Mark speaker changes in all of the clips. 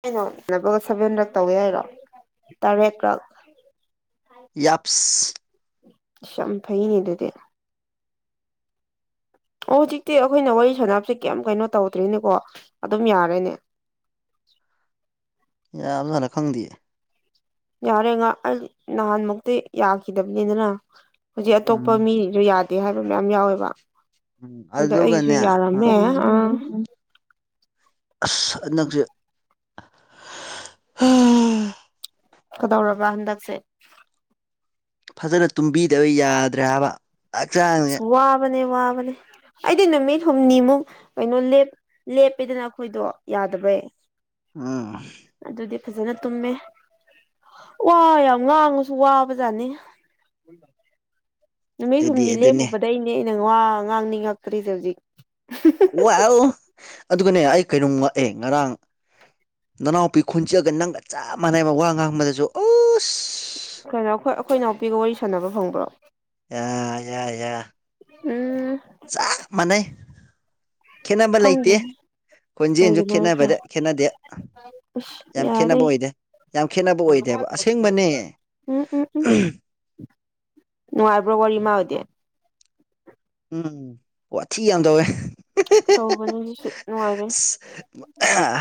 Speaker 1: ꯀꯩꯅꯣ ꯅꯕꯒ ꯁꯚꯦꯟꯗꯛ ꯇꯧꯋꯦ ꯍꯥꯏꯔꯣ ꯇꯔꯦꯠꯔꯛ
Speaker 2: ꯌꯥꯞꯁ [inaudible] [unintelligible]
Speaker 1: ꯏꯁ ꯌꯥꯝ ꯐꯩꯅꯦ ꯑꯗꯨꯗꯤ ꯑꯣ ꯍꯧꯖꯤꯛꯇꯤ ꯑꯩꯈꯣꯏꯅ ꯋꯥꯔꯤ ꯁꯅꯥꯞꯁꯦ ꯀꯌꯥꯝ ꯀꯩꯅꯣ ꯇꯧꯗ꯭ꯔꯤꯅꯦꯀꯣ ꯑꯗꯨꯝ ꯌꯥꯔꯦꯅꯦ
Speaker 2: ꯌꯥꯝ ꯁꯥꯅ ꯈꯪꯗꯦ [inaudible]
Speaker 1: ꯌꯥꯔꯦ ꯉꯥꯛ ꯑꯩ ꯅꯍꯥꯟꯃꯨꯛꯇꯤ ꯌꯥꯈꯤꯗꯕꯅꯤꯗꯅ ꯍꯧꯖꯤꯛ ꯑꯇꯣꯞꯄ
Speaker 2: ꯎꯝ
Speaker 1: ꯃꯤꯁꯨ ꯌꯥꯗꯦ ꯍꯥꯏꯕ ꯃꯌꯥꯝ ꯌꯥꯎꯋꯦꯕ
Speaker 2: ꯎꯝ
Speaker 1: ꯑꯗ ꯑꯩꯁꯨ
Speaker 2: ꯑꯗꯨꯒꯅꯦ
Speaker 1: ꯌꯥꯔꯝꯃꯦ ꯑꯥ
Speaker 2: ꯑꯁ ꯍꯟꯗꯛꯁꯦ
Speaker 1: ꯀꯗꯧꯔꯕ ꯍꯟꯗꯛꯁꯦ
Speaker 2: ꯐꯖꯅ ꯇꯨꯝꯕꯤꯗꯕ ꯌꯥꯗ꯭ꯔꯦ ꯍꯥꯏꯕ
Speaker 1: ꯁ
Speaker 2: ꯍꯛꯆꯥꯡꯁꯦ
Speaker 1: ꯋꯥꯕꯅꯦ ꯋꯥꯕꯅꯦ ꯑꯩꯗꯤ ꯅꯨꯃꯤꯠ ꯍꯨꯝꯅꯤꯃꯨꯛ ꯀꯩꯅꯣ ꯂꯦꯞꯄꯦꯗꯅ ꯑꯩꯈꯣꯏꯗꯣ ꯌꯥꯗꯕꯩ
Speaker 2: ꯑꯥ [inaudible]
Speaker 1: ꯑꯗꯨꯗꯤ ꯐꯖꯅ ꯇꯨꯝꯃꯦ ꯋꯥ ꯌꯥꯝ ꯉꯥꯡꯉꯁꯨ ꯋꯥꯕꯖꯥꯠꯅꯤ ꯅꯨꯃꯤꯠ
Speaker 2: ꯑꯗꯨꯗꯤ
Speaker 1: ꯍꯨꯝꯅꯤ
Speaker 2: ꯑꯗꯨꯅꯦ
Speaker 1: ꯂꯦꯞꯄꯨꯕꯗꯩꯅꯦ ꯑꯩꯅ ꯉ ꯉꯥꯡꯅꯤ ꯉꯛꯇ꯭ꯔꯤꯁꯦ ꯍꯧꯖꯤꯛ
Speaker 2: ꯋꯥꯏ ꯑꯗꯨꯒꯅꯦ ꯑꯩ ꯀꯩꯅꯣꯝ ꯉꯛꯑꯦ ꯉꯔꯥꯡ ꯅꯅꯥꯎꯄꯤ ꯈꯣꯟꯖꯑꯒ ꯅꯪꯒ ꯆꯞ ꯃꯥꯟꯅꯩꯕ ꯋꯥ ꯉꯥꯡꯕꯗꯁꯨ ꯑꯁ
Speaker 1: ꯀꯩꯅꯣ ꯑꯩꯈꯣꯏ ꯑꯩꯈꯣꯏ ꯅꯥꯎꯄꯤꯒ ꯋꯥꯔꯤ ꯁꯥꯟꯅꯕ ꯐꯪꯕ꯭ꯔꯣ
Speaker 2: ꯌꯥ ꯌꯥꯏ ꯌꯥꯏ
Speaker 1: ꯎꯝ
Speaker 2: ꯆ ꯃꯅꯦ ꯈꯦꯠꯅꯕ ꯂꯩꯇꯦ
Speaker 1: ꯈꯪꯗꯦ
Speaker 2: ꯈꯣꯟꯖꯦꯜꯁꯨ
Speaker 1: ꯀꯩꯒꯤꯅꯣ ꯍꯥꯏꯁꯦ
Speaker 2: ꯈꯦꯠꯅꯕꯗ ꯈꯦꯠꯅꯗꯦ
Speaker 1: ꯏꯁ
Speaker 2: ꯌꯥꯝ
Speaker 1: ꯌꯥꯔꯦ
Speaker 2: ꯈꯦꯠꯅꯕ ꯑꯣꯏꯗꯦ ꯌꯥꯝ ꯈꯦꯠꯅꯕ ꯑꯣꯏꯗꯦꯕ ꯑꯁꯦꯡꯕꯅꯦ
Speaker 1: ꯎꯝ ꯅꯉꯥꯏꯕ꯭ꯔꯣ ꯋꯥꯔꯤ ꯃꯥꯒꯗꯤ
Speaker 2: ꯎꯝ ꯑꯣꯊꯤ ꯌꯥꯝ ꯇꯧꯋꯦ
Speaker 1: ꯇꯧꯕꯕ ꯉꯅꯨꯡꯉꯥꯏꯕ
Speaker 2: ꯑꯁ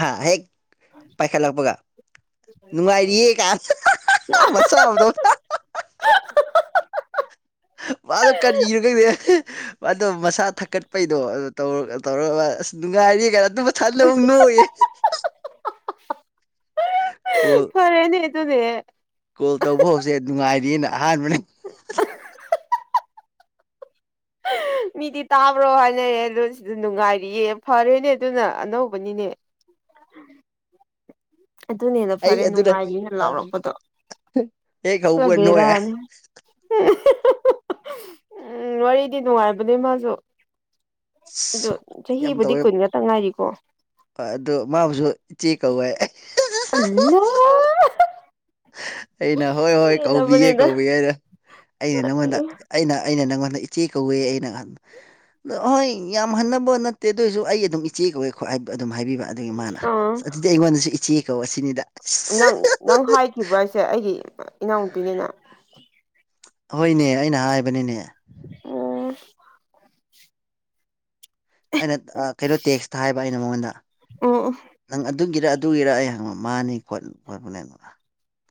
Speaker 2: ꯍꯥ ꯍꯦꯛ ꯄꯥꯏꯈꯠꯂꯛꯄꯒ ꯅꯨꯡꯉꯥꯏꯔꯤꯌꯦ ꯀꯥ ꯃꯆꯥꯥ ꯑꯃꯗꯧ ꯃꯥꯗꯣ ꯀꯔꯤ ꯀꯅꯣ ꯀꯩꯗ ꯑꯗꯣ ꯃꯁꯥ ꯊꯛꯀꯠꯄꯩꯗꯣ ꯇꯧꯔꯒ ꯑꯁ ꯅꯨꯡꯉꯥꯏꯔꯤ ꯀꯅꯣ ꯊꯠꯂ ꯑꯃꯨꯛ ꯅꯣꯡꯌꯦꯦ ꯀꯣꯜ
Speaker 1: ꯐꯔꯦꯅꯦ ꯇꯅꯦ
Speaker 2: ꯀꯣꯜ ꯇꯧꯕ ꯍꯧꯁꯦ ꯅꯨꯡꯉꯥꯏꯔꯤꯑꯅ ꯑꯍꯥꯟꯕꯅ
Speaker 1: ꯃꯤꯗꯤ ꯇꯥꯕ꯭ꯔꯣ ꯍꯥꯏꯅꯔꯦ ꯑꯗꯣ ꯁꯤꯗ ꯅꯨꯡꯉꯥꯏꯔꯤꯌꯦ ꯐꯔꯦꯅꯦ ꯑꯗꯨꯅ ꯑꯅꯧꯕꯅꯤꯅꯦ ꯑꯗꯨꯅꯦꯅ ꯐꯔꯦ
Speaker 2: ꯑꯩ ꯑꯗꯨꯅ
Speaker 1: ꯅꯨꯡꯉꯥꯏꯅꯤꯅ ꯂꯥꯎꯔꯛꯄꯗꯣ
Speaker 2: ꯍꯦꯛ ꯍꯧꯕꯒ ꯅꯣꯛꯑꯦ
Speaker 1: ꯆꯕꯤꯔꯥꯅꯤ ꯎꯝ ꯋꯥꯔꯤꯗꯤ ꯅꯨꯡꯉꯥꯏꯕꯅꯦ ꯃꯥꯁꯨ ꯑꯣ
Speaker 2: ꯑꯁ
Speaker 1: ꯆꯍꯤꯕꯨꯗꯤ ꯀꯨꯟ ꯉꯛꯇꯪ ꯉꯥꯏꯔꯤꯀꯣ
Speaker 2: ꯍ ꯑꯗꯨ ꯃꯥꯕꯨꯁꯨ ꯏꯆꯦ ꯀꯧꯋꯦ
Speaker 1: ꯑ [unintelligible] [inaudible]
Speaker 2: ꯑꯩꯅ ꯍꯣꯏ ꯍꯣꯏ ꯀꯧꯕꯤꯌꯦꯦ
Speaker 1: ꯍꯦꯜꯂꯕꯅꯤꯗ
Speaker 2: ꯀꯧꯕꯤꯌꯦꯦ ꯑꯗ ꯑꯩꯅ ꯅꯪꯉꯣꯟꯗ ꯑꯩꯅ ꯑꯩꯅ ꯅꯪꯉꯗ ꯏꯆꯦ ꯀꯧꯏꯦ ꯑꯩꯅ ꯅꯍ ꯑ ꯍꯣꯏ ꯌꯥꯝ ꯍꯟꯅꯕꯣ ꯅꯠꯇꯦ ꯑꯗꯨꯑꯣꯏꯁꯨ ꯑꯩ ꯑꯗꯨꯝ ꯏꯆꯦ ꯀꯧꯋꯦꯣ ꯑꯗꯨꯝ ꯍꯥꯏꯕꯤꯕ ꯑꯗꯨꯒꯤ ꯃꯥꯅ
Speaker 1: ꯑꯥ
Speaker 2: ꯑꯁ ꯑꯗꯨꯗꯤ ꯑꯩꯉꯣꯟꯗꯁꯨ ꯏꯆꯦ ꯀꯧ ꯑꯁꯤꯅꯤꯗ ꯑꯁ
Speaker 1: ꯅꯪ ꯅꯪ ꯍꯥꯏꯈꯤꯕ꯭ꯔꯥ ꯍꯥꯏꯁꯦ ꯑꯩꯒꯤ ꯏꯅꯥꯎꯅꯨꯄꯤꯅꯤꯅ
Speaker 2: ꯍꯣꯏꯅꯦ ꯑꯩꯅ ꯍꯥꯏꯕꯅꯤꯅꯦ
Speaker 1: ꯑꯣ
Speaker 2: ꯑꯩꯅ ꯀꯩꯅꯣ ꯇꯦꯛꯁꯇ ꯍꯥꯏꯕ ꯑꯩꯅ ꯃꯉꯣꯟꯗ
Speaker 1: ꯑꯣ ꯑꯣ
Speaker 2: ꯅꯪ ꯑꯗꯨꯒꯤꯔ ꯑꯗꯨꯒꯤꯔ ꯑꯩ ꯍꯪꯕ ꯃꯥꯅꯤ ꯈꯣꯠ ꯈꯣꯠꯄꯅꯦ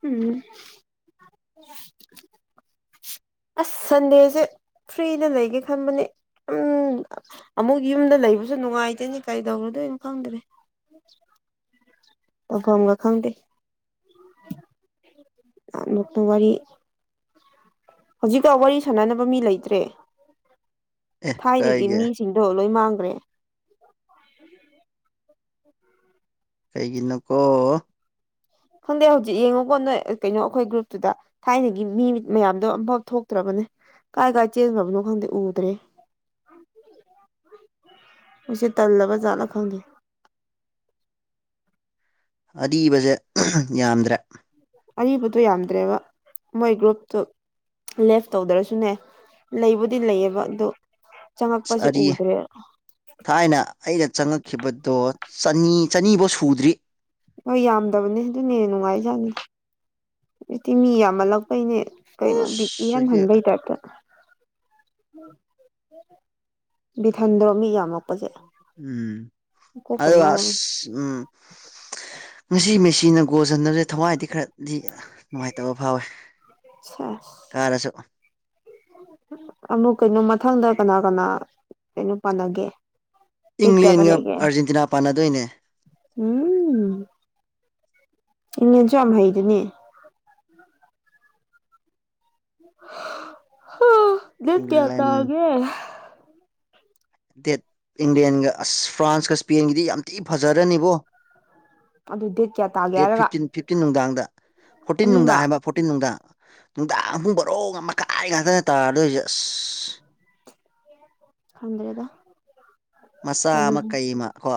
Speaker 1: ꯎꯝ ꯑꯁ ꯁꯟꯗꯦꯁꯦ ꯐ꯭ꯔꯤꯅ ꯂꯩꯒꯦ ꯈꯟꯕꯅꯦ ꯎꯝ ꯑꯃꯨꯛ ꯌꯨꯝꯗ ꯂꯩꯕꯁꯨ ꯅꯨꯡꯉꯥꯏꯇꯦꯅꯤ ꯀꯔꯤꯗꯧꯔꯗꯣꯏꯅꯣ ꯈꯪꯗ꯭ꯔꯦ ꯇꯧꯐꯝꯒ ꯈꯪꯗꯦ ꯅꯣꯛꯄ ꯋꯥꯔꯤ ꯍꯧꯖꯤꯛꯀꯥꯎ ꯋꯥꯔꯤ ꯁꯥꯟꯅꯅꯕ ꯃꯤ ꯂꯩꯇ꯭ꯔꯦ
Speaker 2: ꯑꯦ
Speaker 1: ꯊꯥꯏꯗꯒꯤ
Speaker 2: ꯀꯩꯒꯤ
Speaker 1: ꯃꯤ ꯁꯤꯡꯗꯣ ꯂꯣꯏ ꯃꯥꯡꯈ꯭ꯔꯦ [inaudible] ꯎ
Speaker 2: ꯀꯩꯒꯤꯅꯨ ꯀꯣ
Speaker 1: ꯈꯪꯗꯦ ꯍꯧꯖꯤꯛ ꯌꯦꯡꯉꯨꯀꯣ ꯅꯣꯏ ꯀꯩꯅꯣ ꯑꯩꯈꯣꯏ ꯒ꯭ꯔꯨꯞꯇꯨꯗ ꯊꯥꯏꯅꯒꯤ ꯃꯤ ꯃꯌꯥꯝꯗꯣ ꯑꯝꯐꯥꯎ ꯊꯣꯛꯇ꯭ꯔꯕꯅꯦ ꯀꯥꯏ ꯀꯥꯏ ꯆꯦꯟꯕꯅꯣ ꯈꯪꯗꯦ ꯎꯗ꯭ꯔꯦ ꯃꯁꯤ ꯇꯜꯂꯕꯖꯥꯠꯂ ꯈꯪꯗꯦ
Speaker 2: ꯑꯕꯁꯦ ꯌꯥꯝꯗ꯭ꯔꯦ
Speaker 1: ꯑꯔꯤꯕꯗꯨꯣ ꯌꯥꯝꯗ꯭ꯔꯦꯕ ꯃꯣꯏ ꯒ꯭ꯔꯨꯞꯇꯨ ꯂꯦꯐ ꯇꯧꯗ꯭ꯔꯁꯨꯅꯦ ꯂꯩꯕꯨꯗꯤ ꯂꯩꯌꯦꯕ ꯑꯗꯨꯣ
Speaker 2: ꯑꯁ
Speaker 1: ꯆꯪꯉꯛꯄꯁꯦ
Speaker 2: ꯑꯔꯤ
Speaker 1: ꯎꯗ꯭ꯔꯦ
Speaker 2: ꯊꯥꯏꯅ ꯑꯩꯅ ꯆꯪꯉꯛꯈꯤꯕꯗꯣ ꯆꯅꯤ ꯆꯅꯤꯐꯧ ꯁꯨꯗ꯭ꯔꯤ
Speaker 1: ꯍꯣꯏ ꯌꯥꯝꯗꯕꯅꯤ ꯑꯗꯨꯅꯦ ꯅꯨꯡꯉꯥꯏꯖꯅꯤ ꯑꯗꯨꯛꯇꯤ ꯃꯤ ꯌꯥꯝꯃꯜꯂꯛꯄꯩꯅꯦ ꯀꯩꯅꯣ
Speaker 2: ꯎꯁ
Speaker 1: ꯏꯍꯥꯟ
Speaker 2: ꯍꯧꯖꯤꯛꯇꯤ
Speaker 1: ꯍꯟꯕꯩꯇꯗ ꯕꯤꯊꯟꯗꯣ ꯃꯤ ꯌꯥꯝ
Speaker 2: ꯎꯝ ꯑ
Speaker 1: ꯉꯥꯎꯋꯦ
Speaker 2: ꯎꯝ ꯉꯁꯤ ꯃꯦꯆꯤꯟꯅ ꯒꯣꯜꯁꯤꯟꯅꯕꯁꯦ ꯊꯋꯥꯏꯗꯤ ꯈꯔꯗꯤ ꯅꯨꯡꯉꯥꯏꯇꯕ ꯐꯥꯎꯋꯦ
Speaker 1: ꯁꯦꯁ
Speaker 2: ꯀꯥꯔꯁꯨ
Speaker 1: ꯑꯃꯨꯛ ꯀꯩꯅꯣ ꯃꯊꯪꯗ ꯀꯅꯥ ꯀꯅꯥ ꯀꯩꯅꯣ ꯄꯥꯟꯅꯒꯦ ꯗꯦꯠ ꯀꯌꯥꯗ
Speaker 2: ꯏꯪꯂꯦꯟꯒ
Speaker 1: ꯂꯩꯒꯦ
Speaker 2: ꯑꯥꯔꯖꯦꯟꯇꯤꯅꯥ ꯄꯥꯟꯅꯗꯣꯏꯅꯦ
Speaker 1: ꯎꯝ ꯏꯪꯂꯪꯂꯦꯟꯁꯨ ꯌꯥꯝ ꯍꯩꯗꯨꯅꯦ ꯠ ꯀꯌꯥ
Speaker 2: ꯂꯟ
Speaker 1: ꯇꯑꯒꯦ
Speaker 2: ꯗꯦꯠ ꯏꯪꯂꯪꯂꯦꯟꯒ ꯑꯁ ꯐ꯭ꯔꯥꯟꯁꯀ ꯏꯁꯄꯦꯟꯒꯤꯗꯤ ꯌꯥꯝ ꯊꯤ ꯐꯖꯔꯅꯤꯕꯣ
Speaker 1: ꯑꯗꯨ ꯗꯦꯠ ꯀꯌꯥ
Speaker 2: ꯗꯦꯠ
Speaker 1: ꯇꯥꯒꯦꯔꯒ
Speaker 2: ꯐꯤꯞꯇꯤꯟ ꯐꯤꯞꯇꯤꯟ ꯅꯨꯡꯗꯥꯡꯗ ꯐꯣꯔꯇꯤꯟ ꯅꯨꯡꯗꯥꯡ ꯍꯥꯏꯕ ꯐꯣꯔꯇꯤꯟ ꯅꯨꯡꯗꯥ ꯅꯨꯡꯗꯥꯡ ꯑꯍꯨꯝ ꯕꯔꯣꯛ ꯑꯃ ꯃꯈꯀꯥꯏ ꯉꯥꯛꯇꯅ ꯇꯥꯔꯗꯣꯏꯁꯦ ꯑꯁ
Speaker 1: ꯈꯪꯗ꯭ꯔꯦꯗ
Speaker 2: ꯃꯆꯥ
Speaker 1: ꯇꯜꯂꯦ
Speaker 2: ꯑꯃ ꯀꯩ ꯑꯃ ꯀꯣ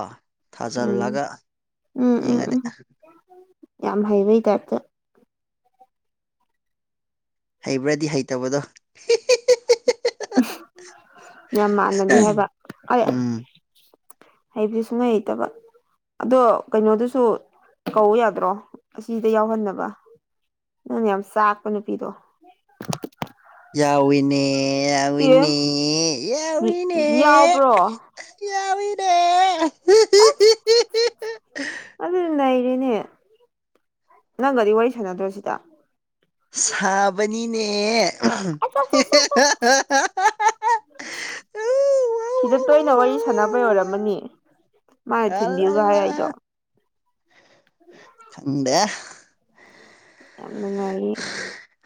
Speaker 1: ꯎꯝ
Speaker 2: ꯊꯥꯖꯤꯜꯂꯒ
Speaker 1: ꯎꯝ ꯎꯝ
Speaker 2: ꯌꯦꯡꯉꯗ
Speaker 1: ꯎꯝ ꯌꯥꯝ ꯍꯩꯕꯩ ꯇꯥꯏꯞꯇ
Speaker 2: ꯍꯩꯕ꯭ꯔꯗꯤ ꯍꯩꯇꯕꯗꯣ
Speaker 1: ꯌꯥꯝ ꯃꯥꯟꯅꯗꯤ ꯍꯥꯏꯕ
Speaker 2: ꯎꯝ
Speaker 1: ꯍꯩꯕꯗꯤ ꯁꯨꯡꯍꯩ ꯍꯩꯇꯕ ꯑꯗꯣ ꯀꯩꯅꯣꯗꯨꯁꯨ ꯀꯧ ꯌꯥꯗ꯭ꯔꯣ ꯑꯁꯤꯗ ꯌꯥꯎꯍꯟꯅꯕ ꯅꯪꯅ ꯌꯥꯝ ꯆꯥꯛꯄ ꯅꯨꯄꯤꯗꯣ
Speaker 2: ꯌꯥꯎꯏꯅꯦ
Speaker 1: ꯑꯦ
Speaker 2: ꯌꯥꯎꯏꯅꯦ ꯌꯥꯎꯏꯅꯦ
Speaker 1: ꯌꯥꯎꯕ꯭ꯔꯣ
Speaker 2: ꯌꯥ ꯑꯣꯏꯔꯦ
Speaker 1: ꯑ
Speaker 2: [inaudible]
Speaker 1: ꯑꯗꯨꯗꯤ ꯂꯩꯔꯦꯅꯦ ꯅꯪꯒꯗꯤ ꯋꯥꯔꯤ ꯁꯥꯟꯅꯗ꯭ꯔꯣꯁꯤꯗ
Speaker 2: ꯁꯥꯕꯅꯤꯅꯦ [inaudible] [inaudible]
Speaker 1: ꯎꯝ ꯁꯤꯗ ꯇꯣꯏꯅ ꯋꯥꯔꯤ ꯁꯥꯟꯅꯕ ꯑꯣꯏꯔꯝꯃꯅꯤ ꯃꯥꯅ ꯊꯤꯟꯕꯤꯌꯨꯒ ꯍꯥꯏ ꯑꯩꯗꯣ
Speaker 2: ꯆꯟꯗꯦ
Speaker 1: ꯌꯥꯝ ꯅꯨꯡꯉꯥꯏꯔꯤ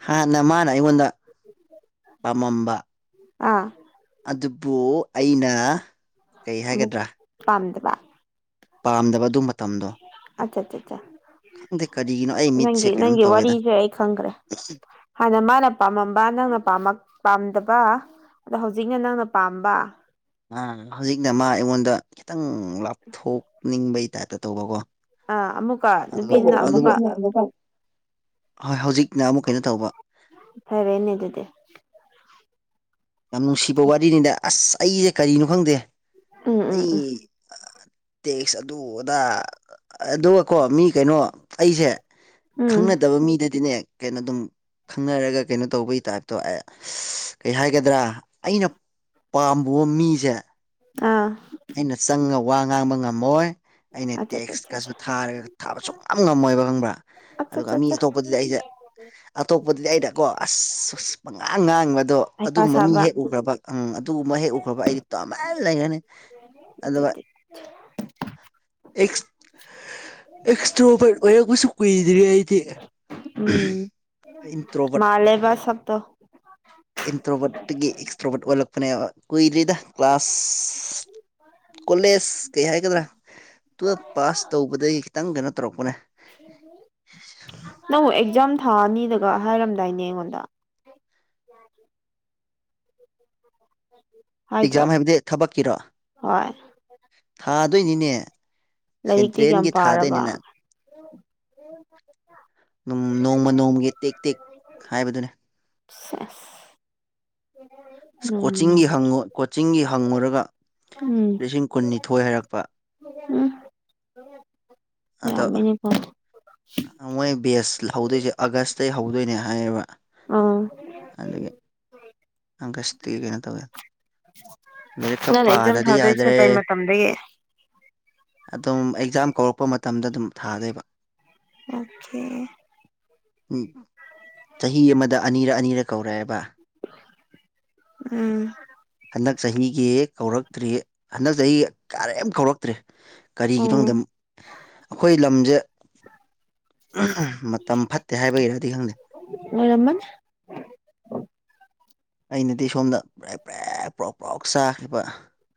Speaker 2: ꯍꯥꯟꯅ ꯃꯥꯅ ꯑꯩꯉꯣꯟꯗ ꯄꯥꯝꯃꯝꯕ
Speaker 1: ꯑꯥ
Speaker 2: ꯑꯗꯨꯕꯨ ꯑꯩꯅ ꯀꯩ ꯍꯥꯏꯒꯗ꯭ꯔꯥ
Speaker 1: ꯄꯥꯟꯗ꯭ꯔ
Speaker 2: ꯄꯥꯝꯗꯕ ꯑꯗꯨ ꯃꯇꯝꯗ
Speaker 1: ꯑꯆꯥ ꯑꯆꯥ ꯑ
Speaker 2: ꯀꯔꯤꯒꯤꯅꯣ ꯑꯩ ꯃꯤꯠꯁꯦ
Speaker 1: ꯅꯪꯒꯤ
Speaker 2: ꯀꯩꯅꯣꯝ
Speaker 1: ꯅꯪꯒꯤ
Speaker 2: ꯇꯧꯋꯦꯗ
Speaker 1: ꯋꯥꯔꯤꯁꯦ ꯑꯩ ꯈꯪꯒ꯭ꯔꯦ ꯍꯥꯟꯅ ꯃꯥꯅ ꯄꯥꯝꯃꯝꯕ ꯅꯪꯅ ꯄꯥꯝꯗꯕ ꯑꯗꯣ ꯍꯧꯖꯤꯛꯅ ꯅꯪꯅ ꯄꯥꯝꯕ
Speaker 2: ꯑ ꯍꯧꯖꯤꯛꯅ ꯃꯥ ꯑꯩꯉꯣꯟꯗ ꯈꯤꯇꯪ ꯂꯥꯞꯊꯣꯛꯅꯤꯡꯕꯩ ꯇꯥꯏꯞꯇ ꯇꯧꯕꯀꯣ
Speaker 1: ꯑꯥ ꯑꯃꯨꯛꯀ ꯅꯨꯄꯤꯗꯨꯅ ꯑꯃꯨꯛꯀ
Speaker 2: ꯍꯣꯏ [unintelligible] ꯍꯧꯖꯤꯛꯅ ꯑꯃꯨꯛ ꯀꯩꯅꯣ ꯇꯧꯕ
Speaker 1: ꯐꯔꯦꯅꯦ ꯑꯗꯨꯗꯤ
Speaker 2: ꯌꯥꯝ ꯅꯨꯡꯁꯤꯕ ꯋꯥꯔꯤꯅꯤꯗ ꯑꯁ ꯑꯩꯁꯦ ꯀꯔꯤꯅꯣ ꯈꯪꯗꯦ
Speaker 1: ꯎꯝ ꯎꯝ
Speaker 2: ꯑꯩ
Speaker 1: ꯎꯝ
Speaker 2: ꯇꯦꯛꯁ ꯑꯗꯨ ꯑꯗꯥ ꯑꯗꯨꯒꯀꯣ ꯃꯤ ꯀꯩꯅꯣ ꯑꯩꯁꯦ
Speaker 1: ꯎꯝ
Speaker 2: ꯈꯪꯅꯗꯕ ꯃꯤꯗꯗꯤꯅꯦ ꯀꯩꯅꯣ ꯑꯗꯨꯝ ꯈꯪꯅꯔꯒ ꯀꯩꯅꯣ ꯇꯧꯕꯒꯤ ꯇꯥꯏꯞꯇꯣ [unintelligible] ꯀ ꯍꯥꯏꯒꯗ꯭ꯔꯥ ꯑꯩꯅ ꯄꯥꯝꯕ‌ꯣ ꯃꯤꯁꯦ
Speaker 1: ꯑꯥ
Speaker 2: ꯑꯩꯅ ꯆꯪꯉ ꯋꯥ ꯉꯥꯡꯕ ꯉꯝꯃꯣꯏ ꯑꯩꯅ
Speaker 1: ꯑꯆꯥ ꯑꯆꯥ
Speaker 2: ꯇꯦꯛꯁꯀꯁꯨ ꯊꯥꯔꯒ ꯊꯥꯕ ꯁꯨꯡ ꯉꯝꯉꯝꯃꯣꯏꯕ ꯈꯪꯕ꯭ꯔꯥ
Speaker 1: ꯑꯆꯥ
Speaker 2: ꯑꯗꯨꯒ
Speaker 1: ꯆꯥ
Speaker 2: ꯃꯤ
Speaker 1: ꯆꯥ
Speaker 2: ꯑꯇꯣꯞꯄꯗꯨꯗꯤ ꯑꯩꯁꯦ ꯑꯇꯣꯞꯄꯗꯨꯗꯤ ꯑꯩꯅꯀꯣ ꯑꯁ ꯑꯁ ꯄꯉꯥꯡ ꯉꯥꯡꯕꯗꯣ
Speaker 1: ꯍꯩꯄꯥ
Speaker 2: ꯑꯗꯨꯒꯨꯝꯕ ꯃꯤ
Speaker 1: ꯁꯥꯕ
Speaker 2: ꯍꯦꯛ ꯎꯈ꯭ꯔꯕ ꯎꯝ ꯑꯗꯨꯒꯨꯝꯕ ꯍꯦꯛ ꯎꯈ꯭ꯔꯕ ꯑꯩꯗꯤ ꯇꯨꯃꯤꯟ ꯂꯩꯒꯅꯤ ꯑꯗꯨꯒ
Speaker 1: ꯑꯗꯨꯗꯤ
Speaker 2: ꯑꯦ [inaudible] ꯑꯦꯛ [unintelligible] ꯏꯁꯇ꯭ꯔꯣꯕꯔꯠ ꯑꯣꯏꯔꯛꯄꯁꯨ ꯀꯨꯏꯗ꯭ꯔꯤ ꯑꯩꯗꯤ ꯏꯟꯇ꯭ꯔꯣꯕꯔꯠ
Speaker 1: ꯃꯥꯂꯦꯕ ꯁꯛꯇ‌ꯣ
Speaker 2: ꯏꯟꯇ꯭ꯔꯣꯕꯣꯠꯇꯒꯤ ꯑꯦꯛꯁꯇ꯭ꯔꯣꯕꯣꯠ ꯑꯣꯜꯂꯛꯄꯅꯦꯕ ꯀꯨꯏꯗ꯭ꯔꯤꯗ ꯀ꯭ꯂꯥꯁ ꯀꯣꯂꯦꯖ ꯀꯩ ꯍꯥꯏꯒꯗ꯭ꯔꯥ ꯇꯨꯌꯦꯞ ꯄꯥꯁ ꯇꯧꯕꯗꯒꯤ ꯈꯤꯇꯪ ꯀꯩꯅꯣ ꯇꯧꯔꯛꯄꯅꯦ
Speaker 1: ꯅꯪꯕꯨ ꯑꯦꯛꯖꯥꯝ ꯊꯥꯅꯤꯅꯒ ꯍꯥꯏꯔꯝꯗꯥꯏꯅꯦ ꯑꯩꯉꯣꯟꯗ [inaudible] ꯎ [inaudible]
Speaker 2: ꯑꯦꯛꯖꯥꯝ ꯍꯥꯏꯕꯗꯤ ꯊꯕꯛꯀꯤꯔꯣ ꯊꯥꯗꯣꯏꯅꯤꯅꯦ
Speaker 1: ꯂꯥꯏꯔꯤꯛꯇꯤ ꯀꯌꯥꯝ
Speaker 2: ꯁꯦꯟꯇ꯭ꯔꯦꯟꯒꯤ
Speaker 1: ꯄꯥꯔꯕ
Speaker 2: ꯊꯥꯗꯣꯏꯅꯤꯅ ꯅꯣꯡꯃ ꯅꯣꯡꯃꯒꯤ ꯇꯦꯛ ꯇꯦꯛ ꯍꯥꯏꯕꯗꯨꯅꯦ
Speaker 1: ꯁꯦꯁ ꯅꯪꯅ
Speaker 2: ꯀꯣꯆꯤꯡꯒꯤ ꯀꯣꯆꯤꯡꯒꯤ ꯍꯪꯉꯨꯔꯒ
Speaker 1: ꯎꯝ
Speaker 2: ꯂꯤꯁꯤꯡ ꯀꯨꯟꯅꯤꯊꯣꯏ ꯍꯥꯏꯔꯛꯄ
Speaker 1: [unintelligible] ꯎꯝ
Speaker 2: ꯑꯗꯣ
Speaker 1: ꯌꯥꯃꯤꯅ‌ꯦ
Speaker 2: ꯃꯣꯏ ꯕꯦꯁ ꯍꯧꯗꯣꯏꯁꯦ ꯑꯥꯒꯁꯇꯩ ꯍꯧꯗꯣꯏꯅꯦ ꯍꯥꯏꯌꯦꯕ
Speaker 1: ꯑꯪ
Speaker 2: ꯑꯪꯀꯁꯇꯤ ꯀꯩꯅꯣ ꯇꯧꯋꯦ ꯂꯥꯏꯔꯤꯛ ꯈꯔ
Speaker 1: ꯅꯪꯅꯦ ꯑꯦꯛꯖꯥꯝ
Speaker 2: ꯄꯥꯗꯗꯤ
Speaker 1: ꯊꯥꯗꯣꯏꯁꯦ ꯀꯩ
Speaker 2: ꯌꯥꯗ꯭ꯔꯦ
Speaker 1: ꯃꯇꯝꯗꯒꯤ
Speaker 2: ꯑꯗꯨꯝ ꯑꯦꯛꯖꯥꯝ ꯀꯧꯔꯛꯄ ꯃꯇꯝꯗ ꯑꯗꯨꯝ ꯊꯥꯅꯤꯕ
Speaker 1: ꯑꯣꯀꯦ
Speaker 2: ꯎꯝ ꯆꯍꯤ ꯑꯃꯗ ꯑꯅꯤꯔ ꯑꯅꯤꯔ ꯀꯧꯔꯛꯑꯦꯕ
Speaker 1: ꯎꯝ
Speaker 2: ꯍꯟꯗꯛ ꯆꯍꯤꯒꯤ ꯀꯧꯔꯛꯇ꯭ꯔꯤ ꯍꯟꯗꯛ ꯆꯍꯤ ꯀꯔꯦꯝ ꯀꯧꯔꯛꯇ꯭ꯔꯤ ꯀꯔꯤꯒꯤꯅꯣ ꯈꯪꯗꯦ
Speaker 1: ꯎꯝ
Speaker 2: ꯑꯩꯈꯣꯏ ꯂꯝꯁꯦ ꯃꯇꯝ ꯐꯠꯇꯦ ꯍꯥꯏꯕꯒꯤꯔꯗꯤ ꯈꯪꯗꯦ
Speaker 1: ꯃꯣꯏꯔꯃꯟ
Speaker 2: ꯑꯩꯅꯗꯤ ꯁꯣꯝꯗ ꯄ꯭ꯔꯦꯞ ꯄ꯭ꯔꯦꯛ ꯄꯔꯣꯛ ꯄ꯭ꯔꯣꯛ ꯆꯥꯈꯤꯕ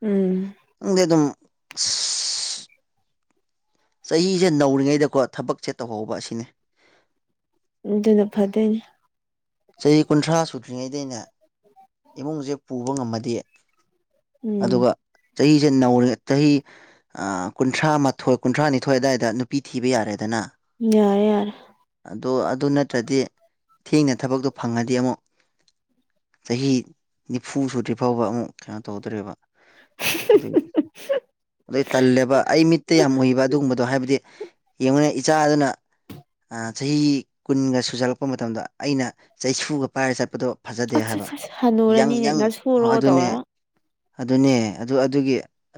Speaker 1: ꯎꯝ
Speaker 2: ꯅꯪꯗꯤ ꯑꯗꯨꯝ [unintelligible] ꯆꯍꯤꯁꯦ ꯅꯧꯔꯤꯉꯩꯗꯀꯣ ꯊꯕꯛꯁꯦ ꯇꯧꯍꯧꯕ ꯑꯁꯤꯅꯤ
Speaker 1: ꯑꯗꯨꯅ ꯐꯗꯣꯏꯅꯤ
Speaker 2: ꯆꯍꯤ ꯀꯨꯟꯊ꯭ꯔꯥ ꯁꯨꯗ꯭ꯔꯤꯉꯩꯗꯩꯅ ꯏꯃꯨꯡꯁꯦ ꯄꯨꯕ ꯉꯝꯃꯗꯤ
Speaker 1: ꯎꯝ
Speaker 2: ꯑꯗꯨꯒ ꯆꯍꯤꯁꯦ ꯅꯧꯔꯤ ꯆꯍꯤ ꯀꯨꯟꯊ꯭ꯔꯥ ꯃꯥꯊꯣꯏ ꯀꯨꯟꯊ꯭ꯔꯥꯅꯤꯊꯣꯏ ꯑꯋꯥꯏꯗ ꯅꯨꯄꯤ ꯊꯤꯕ ꯌꯥꯔꯦꯗꯅ
Speaker 1: ꯌꯥꯔꯦ ꯌꯥꯔ‌ꯦ
Speaker 2: ꯑꯗꯣ ꯑꯗꯨ ꯅꯠꯇ꯭ꯔꯗꯤ ꯊꯤꯅ ꯊꯕꯛꯇꯣ ꯐꯪꯉꯗꯤ ꯑꯃꯨꯛ ꯆꯍꯤ ꯅꯤꯐꯨ ꯁꯨꯗ꯭ꯔꯤ ꯐꯥꯎꯕ ꯑꯃꯨꯛ ꯀꯩꯅꯣ ꯇꯧꯗ꯭ꯔꯦꯕ ꯑꯗꯨꯒꯤ ꯑꯩ ꯇꯜꯂꯦꯕ ꯑꯩ ꯃꯤꯠꯇ ꯌꯥꯝ ꯎꯏꯕ ꯑꯗꯨꯒꯨꯝꯕꯗꯣ ꯍꯥꯏꯕꯗꯤ ꯌꯦꯡꯉꯨꯅ‌ꯦ ꯏꯆꯥ ꯑꯗꯨꯅ ꯆꯍꯤ ꯀꯨꯟꯒ ꯁꯨꯖꯜꯂꯛꯄ ꯃꯇꯝꯗ ꯑꯩꯅ ꯆꯩꯁꯨꯒ ꯄꯥꯏꯔ ꯆꯠꯄꯗꯣ ꯐꯖꯗꯦ
Speaker 1: ꯑꯠꯆꯥ
Speaker 2: ꯍꯥꯏꯕ
Speaker 1: ꯆꯥ
Speaker 2: ꯌꯥꯪ
Speaker 1: ꯍꯅꯨꯔꯅꯤꯅꯦ
Speaker 2: ꯌꯥꯪ
Speaker 1: ꯅꯁꯨꯔꯣ
Speaker 2: ꯑꯗꯨꯅꯦ
Speaker 1: ꯇꯧꯔ
Speaker 2: ꯑꯗꯨꯅꯦ ꯑꯗꯨ ꯑꯗꯨꯒꯤ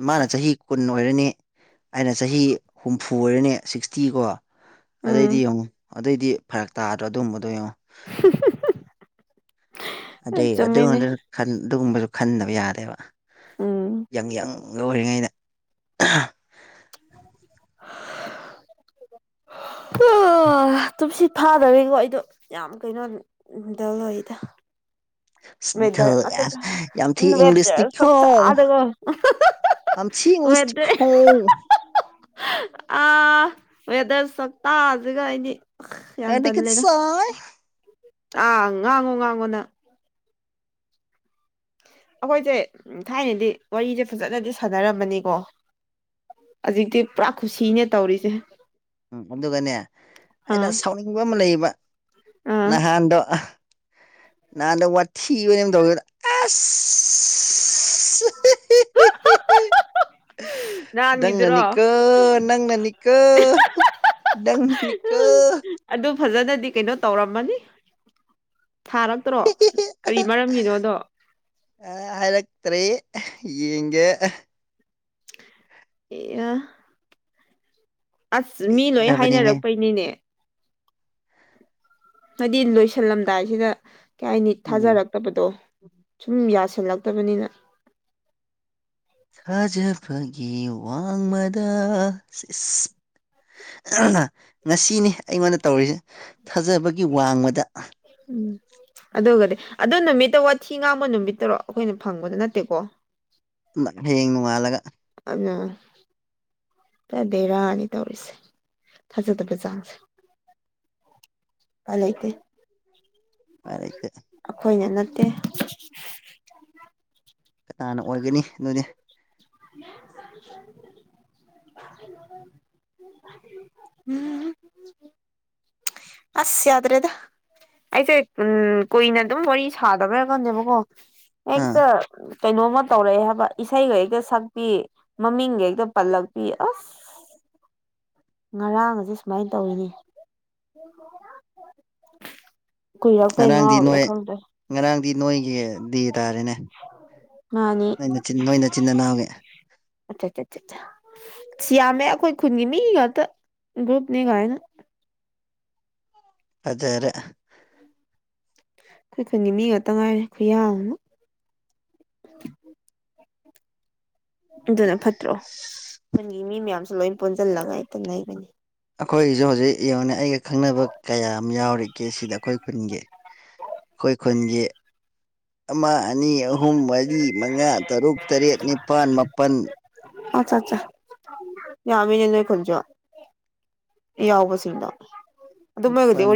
Speaker 2: ꯃꯥꯅ ꯆꯍꯤ ꯀꯨꯟ ꯑꯣꯏꯔꯅꯤ ꯑꯩꯅ ꯆꯍꯤ ꯍꯨꯝꯐꯨ ꯑꯣꯏꯔꯅꯦ ꯁꯤꯛꯁꯇꯤ ꯀꯣ ꯑꯗꯩꯗꯤ
Speaker 1: ꯎꯝ
Speaker 2: ꯌꯦꯡꯉꯨ ꯑꯗꯨꯑꯣꯏꯗꯤ ꯐꯔꯛ ꯇꯥꯗ꯭ꯔꯣ ꯑꯗꯨꯒꯨꯝꯝꯕꯗꯣ ꯌꯦꯡꯉꯣ
Speaker 1: ꯍꯝ ꯍꯝ
Speaker 2: ꯑꯗꯩ ꯑꯗꯨꯉꯥꯟꯗ ꯑꯗꯨꯒꯨꯝꯕꯗꯨ ꯈꯟꯗꯕ ꯌꯥꯗꯦꯕ
Speaker 1: ꯎꯝ
Speaker 2: ꯌꯡ ꯌꯡ ꯂꯑꯣꯏꯔꯤꯉꯩꯗ
Speaker 1: ꯍꯥ ꯇꯨꯝꯁꯤ ꯐꯥꯗ꯭ꯔꯦꯀꯣ ꯑꯩꯗꯣ ꯌꯥꯝ ꯀꯩꯅꯣ ꯗꯜꯑꫭꯏꯗ
Speaker 2: ꯁꯤ ꯌꯥꯝ ꯊꯤ
Speaker 1: ꯋꯦꯗꯔ
Speaker 2: ꯏꯪꯂꯤꯁꯇꯤꯈꯣ
Speaker 1: ꯁꯛꯇꯥꯗꯒꯣ
Speaker 2: ꯌꯥꯝ ꯊꯤ
Speaker 1: ꯋꯦꯗꯔ
Speaker 2: ꯏꯪꯂꯤꯁꯇꯤꯈꯣ
Speaker 1: ꯑꯥ ꯋꯦꯗꯔ ꯆꯛꯇꯥꯁꯤꯒ ꯑꯩꯗꯤ
Speaker 2: ꯑ
Speaker 1: ꯌꯥꯝ
Speaker 2: ꯂꯤ
Speaker 1: ꯇꯜꯂꯦꯗ
Speaker 2: ꯁꯥꯏ [unintelligible]
Speaker 1: ꯑꯥ ꯉꯥꯡꯉꯣ ꯉꯥꯡꯉꯣꯅꯪ ꯑꯩꯈꯣꯏꯁꯦ ꯊꯥꯏꯅꯗꯤ ꯋꯥꯔꯤꯁꯦ ꯐꯖꯅꯗꯤ ꯁꯥꯟꯅꯔꯝꯕꯅꯤꯀꯣ ꯍꯧꯖꯤꯛꯇꯤ ꯄꯨꯔꯥ ꯈꯨꯁꯤꯅꯦ ꯇꯧꯔꯤꯁꯦ
Speaker 2: ꯎꯝ ꯑꯗꯨꯒꯅꯦ
Speaker 1: ꯑꯥ
Speaker 2: ꯑꯩꯅ ꯁꯥꯎꯅꯤꯡꯕ ꯑꯃ ꯂꯩꯌꯦꯕ
Speaker 1: ꯑꯥ
Speaker 2: ꯅꯍꯥꯟꯗꯣ ꯅꯍꯥꯟꯗꯣ ꯋꯥꯊꯤ ꯋꯔꯦꯝ ꯇꯧꯋꯦꯗ ꯑꯁ
Speaker 1: [inaudible]
Speaker 2: ꯎ [unintelligible]
Speaker 1: ꯅꯍꯥꯟꯒꯤꯗꯨꯔꯣ
Speaker 2: ꯅꯪꯅꯅꯤꯀꯣ ꯅꯪꯅꯅꯤꯀꯣ ꯅꯪꯅꯅꯤꯀꯣ
Speaker 1: ꯑꯗꯨ ꯐꯖꯅꯗꯤ ꯀꯩꯅꯣ ꯇꯧꯔꯝꯃꯅꯤ ꯊꯥꯔꯛꯇ꯭ꯔꯣ ꯀꯔꯤ ꯃꯔꯝꯒꯤꯅꯣꯗꯣ
Speaker 2: ꯍꯥꯏꯔꯛꯇ꯭ꯔꯦ ꯌꯦꯡꯒꯦ
Speaker 1: ꯑꯦ [unintelligible] ꯑꯁ ꯃꯤ ꯂꯣꯏ
Speaker 2: ꯗꯕꯅꯤꯍꯦ
Speaker 1: ꯍꯥꯏꯅꯔꯛꯄꯩꯅꯤꯅꯦ ꯍꯥꯏꯗꯤ ꯂꯣꯏꯁꯤꯜꯂꯝꯗꯥꯏꯁꯤꯗ ꯀꯩ ꯍꯥꯏꯅꯤ
Speaker 2: ꯎꯝ
Speaker 1: ꯊꯥꯖꯔꯛ ꯐꯠꯇꯕꯗꯣ ꯁꯨꯝ ꯌꯥꯁꯜꯂꯛꯇꯕꯅꯤꯅ
Speaker 2: ꯊꯥꯖꯕꯒꯤ ꯋꯥꯡꯃꯗ ꯏꯁ ꯉꯁꯤꯅꯤ ꯑꯩꯉꯣꯟꯗ ꯇꯧꯔꯤꯁꯦ ꯊꯥꯖꯕꯒꯤ ꯋꯥꯡꯃꯗ
Speaker 1: ꯎꯝ ꯑꯗꯨꯒꯗꯤ ꯑꯗꯣ ꯅꯨꯃꯤꯠꯇ ꯋꯥꯊꯤ ꯉꯥꯡꯕ ꯅꯨꯃꯤꯠꯇꯔꯣ ꯑꯩꯈꯣꯏꯅ ꯐꯪꯕꯗ ꯅꯠꯇꯦꯀꯣ
Speaker 2: ꯍꯌꯦꯡ ꯅꯣꯡꯉꯥꯜꯂꯒ
Speaker 1: ꯑ ꯗꯦꯔꯥꯅꯤ ꯇꯧꯔꯤꯁꯦ ꯊꯥꯖꯗꯕ ꯆꯥꯡꯁꯦ ꯄꯥꯏꯂꯩꯇ‌ꯦ
Speaker 2: ꯄꯥꯏꯂꯩꯇ‌ꯦ
Speaker 1: ꯑꯩꯈꯣꯏꯅ ꯅꯠꯇꯦ
Speaker 2: ꯀꯅꯥꯅ ꯑꯣꯏꯔꯒꯅꯤ ꯑꯗꯨꯗꯤ
Speaker 1: [inaudible] ꯎꯝ [unintelligible] ꯑꯁ ꯌꯥꯗ꯭ꯔꯦꯗ ꯑꯩꯁꯦ ꯎꯝ ꯀꯨꯏꯅ ꯑꯗꯨꯝ ꯋꯥꯔꯤ ꯁꯥꯗꯕꯩꯔ ꯈꯪꯗꯦꯕꯀꯣ
Speaker 2: ꯑꯥ
Speaker 1: ꯍꯦꯛꯇ ꯀꯩꯅꯣꯃ ꯇꯧꯔꯛꯑꯦ ꯍꯥꯏꯕ ꯏꯁꯩꯒ ꯍꯦꯛꯇ ꯁꯛꯄꯤ ꯃꯃꯤꯡꯒ ꯍꯦꯛꯇ ꯄꯜꯂꯛꯄꯤ ꯑꯁ ꯉꯔꯥꯡꯖꯤ ꯁꯨꯃꯥꯏꯅ ꯇꯧꯔꯤꯅꯦ [inaudible]
Speaker 2: ꯉꯔꯥꯡꯗꯤ ꯅꯣꯏ ꯉꯔꯥꯡꯗꯤ ꯅꯣꯏꯒꯤ ꯗꯦ ꯇꯥꯔꯦꯅꯦ
Speaker 1: ꯃꯥꯅꯤ
Speaker 2: ꯅꯣꯏꯅ ꯅꯣꯏ ꯅꯆꯤꯟ ꯅꯅꯥꯎꯒꯤ
Speaker 1: ꯑꯆꯥ ꯑꯁ ꯌꯥꯝꯃꯦ ꯑꯩꯈꯣꯏ ꯈꯨꯟꯒꯤ ꯃꯤ ꯉꯥꯛꯇ ꯒ꯭ꯔꯨꯞꯅꯦ ꯀꯥꯏꯅ
Speaker 2: ꯑꯖꯔꯦ
Speaker 1: ꯈꯣꯏ ꯈꯨꯟꯒꯤ ꯃꯤ ꯉꯥꯛꯇ ꯉꯥꯏꯔꯦ ꯈꯨꯌꯥꯝ ꯑꯃ ꯑꯗꯨꯅ ꯐꯠꯇ꯭ꯔꯣ ꯈꯨꯈꯟꯒꯤ ꯃꯤ ꯃꯌꯥꯝꯁꯨ ꯂꯣꯏ ꯄꯨꯣꯟꯁꯤꯜꯂꯒ ꯍꯦꯛꯇ ꯂꯩꯕꯅꯤ
Speaker 2: ꯑꯩꯈꯣꯏꯒꯤꯁꯨ ꯍꯧꯖꯤꯛ ꯌꯦꯡꯉꯨꯅꯦ ꯑꯩꯒ ꯈꯪꯅꯕ ꯀꯌꯥꯝ ꯌꯥꯎꯔꯤꯒꯦ ꯁꯤꯗ ꯑꯩꯈꯣꯏ ꯀꯨꯟꯒꯤ ꯈꯣꯏ ꯈꯨꯟꯒꯤ ꯑꯃ ꯑꯅꯤ ꯑꯍꯨꯝ ꯃꯔꯤ ꯃꯉꯥ ꯇꯔꯨꯛ ꯇꯔꯦꯠ ꯅꯤꯄꯥꯟ ꯃꯥꯄꯟ
Speaker 1: ꯑꯠꯆꯥꯆꯥ ꯌꯥꯝꯃꯤꯅꯦ ꯈꯨꯟꯖꯨ ꯌꯥꯎꯕꯁꯤꯡꯗꯣ ꯑꯗꯨꯝꯃꯒꯗꯤ
Speaker 2: ꯃꯥꯄꯜ